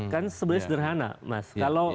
kan sebenarnya sederhana mas